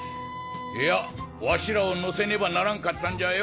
いやわしらを乗せねばならんかったんじゃよ！